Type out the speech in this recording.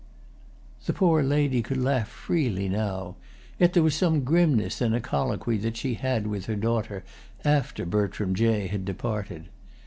The poor lady could laugh freely now; yet there was some grimness in a colloquy that she had with her daughter after Bertram Jay had departed.